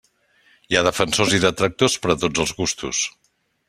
Hi ha defensors i detractors per a tots els gustos.